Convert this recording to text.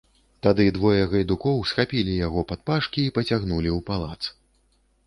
Тады двое гайдукоў схапілі яго падпашкі і пацягнулі ў палац.